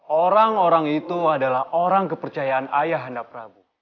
orang orang itu adalah orang kepercayaan ayah handa prabu